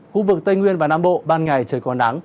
khu vực tây nguyên và nam bộ ban ngày trời còn nắng